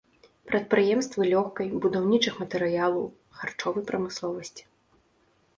Прадпрыемствы лёгкай, будаўнічых матэрыялаў, харчовай прамысловасці.